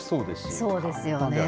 そうですよね。